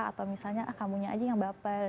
atau misalnya ah kamu aja yang baper